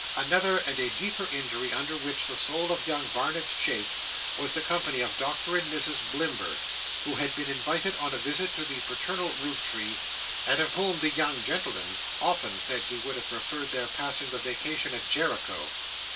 Another and a deeper injury under which the soul of young Barnet chafed, was the company of Dr and Mrs Blimber, who had been invited on a visit to the paternal roof tree, and of whom the young gentleman often said he would have preferred their passing the vacation at Jericho.